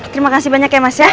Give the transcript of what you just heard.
terima kasih banyak ya mas ya